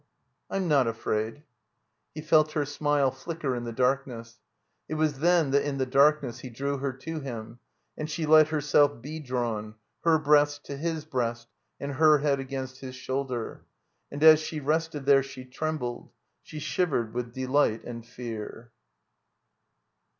I'm not afraid." He felt her smile flicker in the darkness. It was then that in the darkness he drew her to him, and she let herself be drawn, her breast to his breast and her head against his shoulder. And as she rested there she trembled, she shivered with delight and fear.